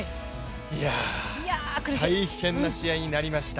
いやあ大変な試合になりました。